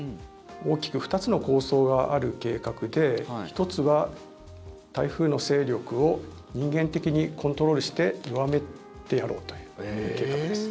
大きく２つの構想がある計画で１つは台風の勢力を人間的にコントロールして弱めてやろうという計画です。